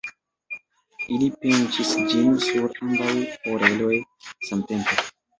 Ili pinĉis ĝin sur ambaŭ oreloj samtempe.